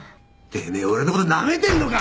てめえ俺の事なめてんのか！